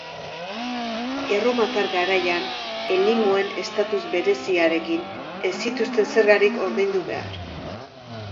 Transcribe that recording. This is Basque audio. Erromatar garaian, elimoen estatus bereziarekin, ez zituzten zergarik ordaindu behar.